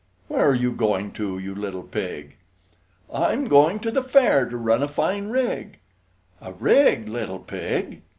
Where are you going to, you little pig? "I'm going to the fair to run a fine rig!" A rig, little pig!